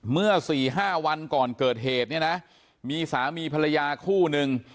เมื่อ๔๕วันก่อนเกิดเหตุเนี่ยนะมีสามีภรรยาคู่นึง